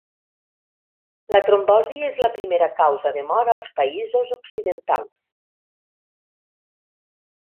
La trombosi és la primera causa de mort als països occidentals.